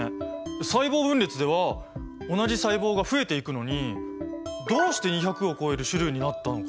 細胞分裂では同じ細胞が増えていくのにどうして２００を超える種類になったのか？